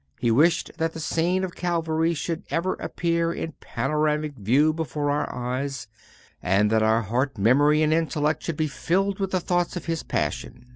He wished that the scene of Calvary should ever appear in panoramic view before our eyes, and that our heart, memory and intellect should be filled with the thoughts of His Passion.